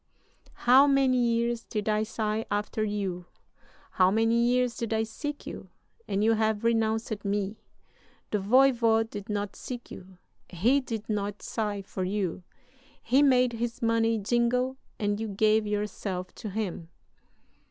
"'How many years did I sigh after you, how many years did I seek you, and you have renounced me! The voyvode did not seek you, he did not sigh for you he made his money jingle and you gave yourself to him!